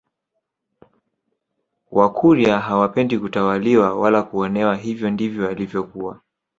Wakurya hawapendi kutawaliwa wala kuonewa hivyo ndivyo walivyokuwa